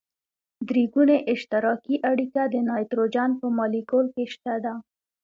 درې ګوني اشتراکي اړیکه د نایتروجن په مالیکول کې شته ده.